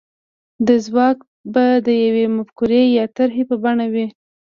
دا ځواک به د يوې مفکورې يا طرحې په بڼه وي.